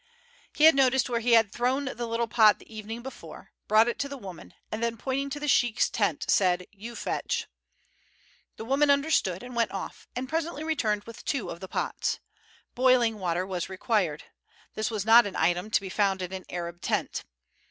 He had noticed where he had thrown the little pot the evening before, brought it to the woman, and then pointing to the sheik's tent said, "You fetch." The woman understood and went off, and presently returned with two of the pots. Boiling water was required. This is not an item to be found in an Arab tent.